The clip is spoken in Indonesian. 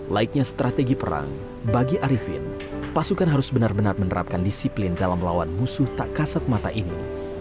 laiknya strategi perang bagi arifin pasukan harus benar benar menerapkan disiplin dalam melawan musuh tak kasat mata ini